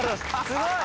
すごい！